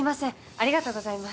ありがとうございます。